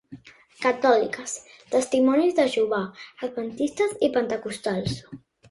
Catòlica, Testimonis de Jehovà, Adventistes i Pentecostals.